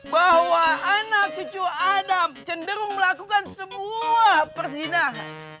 bahwa anak cucu adam cenderung melakukan sebuah persidangan